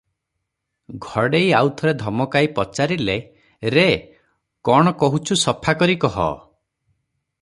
ଘଡ଼େଇ ଆଉ ଥରେ ଧମକାଇ ପଚାରିଲେ, "ରେ, କଣ କହୁଛୁ ସଫା କରି କହ ।"